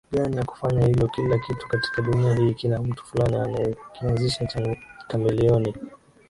gani ya kufanya hilo Kila kitu katika dunia hii kina mtu Fulani aliyekianzisha Chameleone